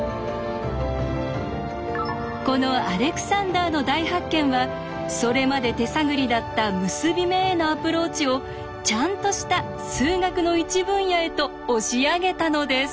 このアレクサンダーの大発見はそれまで手探りだった結び目へのアプローチをちゃんとした数学の一分野へと押し上げたのです。